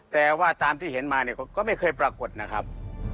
แต่ว่าตามที่เห็นมาเนี่ยก็ไม่เคยปรากฏนะครับ